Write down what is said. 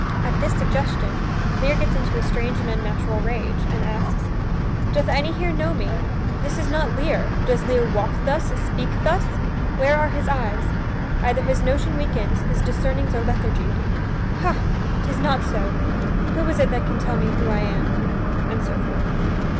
At this suggestion, Lear gets into a strange and unnatural rage, and asks: "Doth any here know me? This is not Lear: Does Lear walk thus? speak thus? Where are his eyes? Either his notion weakens, his discernings Are lethargied. Ha! 'tis not so. Who is it that can tell me who I am?" And so forth.